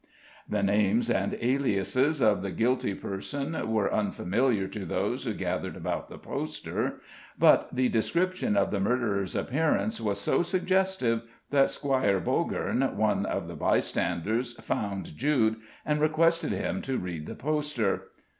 The names and aliases of the guilty person were unfamiliar to those who gathered about the poster, but the description of the murderer's appearance was so suggestive, that Squire Bogern, one of the bystanders, found Jude, and requested him to read the poster.